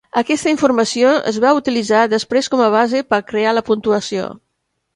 Aquesta informació es va utilitzar després com a base per crear la puntuació.